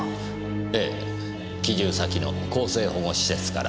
ええ帰住先の更生保護施設から。